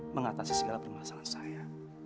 mengatasi segala permasalahan saya